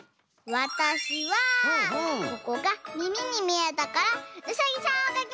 わたしはここがみみにみえたからうさぎさんをかきました。